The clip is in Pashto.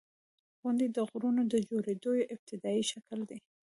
• غونډۍ د غرونو د جوړېدو یو ابتدایي شکل دی.